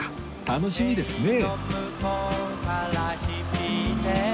楽しみですね